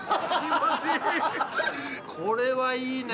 これはいいね。